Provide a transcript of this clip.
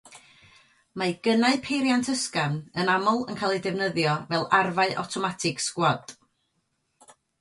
Mae gynnau peiriant ysgafn yn aml yn cael eu defnyddio fel arfau awtomatig sgwad.